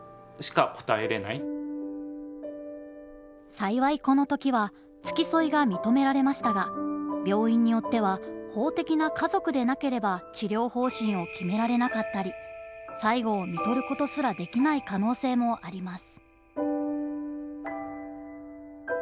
幸いこの時は付き添いが認められましたが病院によっては法的な家族でなければ治療方針を決められなかったり最期を看取ることすらできない可能性もあります。